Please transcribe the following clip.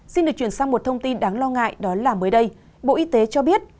xin được chuyển sang một thông tin đáng lo ngại đó là mới đây bộ y tế cho biết